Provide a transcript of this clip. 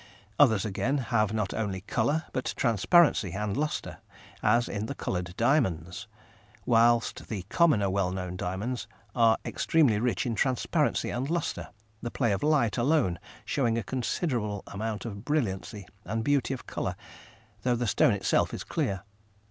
Others, again, have not only colour, but transparency and lustre, as in the coloured diamonds, whilst the commoner well known diamonds are extremely rich in transparency and lustre, the play of light alone showing a considerable amount of brilliancy and beauty of colour, though the stone itself is clear.